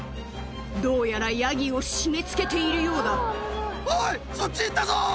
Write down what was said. どうやらヤギを締めつけていおい、そっち行ったぞ。